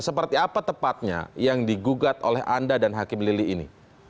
seperti apa tepatnya yang digugat oleh anda dan hakim lili ini